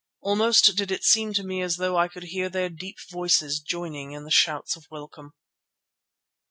Almost did it seem to me as though I could hear their deep voices joining in the shouts of welcome.